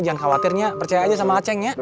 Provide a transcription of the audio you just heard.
jangan khawatir ya percaya aja sama acengnya